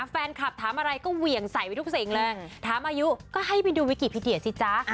แฟนคลับถามอะไรก็เหวี่ยงใส่ไปทุกสิ่งเลยถามอายุก็ให้ไปดูวิกิพีเดียสิจ๊ะ